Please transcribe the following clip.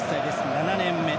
７年目。